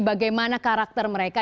bagaimana karakter mereka